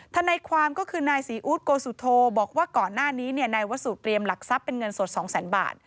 ถ้าในความก็คือนายศิอุทธ์โกสุโทบอกว่าก่อนหน้านี้นายวสู่เตรียมหลักทรัพย์เป็นเงินสด๒๐๐๐๐๐บาท